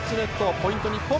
ポイント、日本。